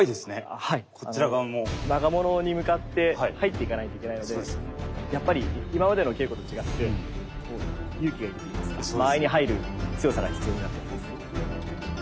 長物に向かって入っていかないといけないのでやっぱり今までの稽古と違って勇気がいるといいますか間合いに入る強さが必要になってきます。